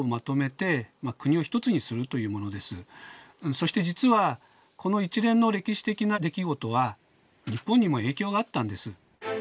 そして実はこの一連の歴史的な出来事は日本にも影響があったんです。